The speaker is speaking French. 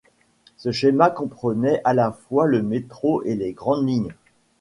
Ce schéma comprenait à la fois le métro et les grandes lignes.